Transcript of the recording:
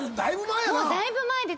だいぶ前で。